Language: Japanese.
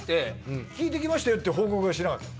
「聞いて来ましたよ」っていう報告はしなかったの？